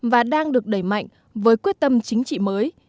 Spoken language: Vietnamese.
và đang được đẩy mạnh với quyết tâm chính trị mới